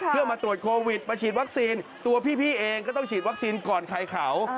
เพื่อมาตรวจโควิดมาฉีดวัคซีนตัวพี่เองก็ต้องฉีดวัคซีนก่อนใครเขา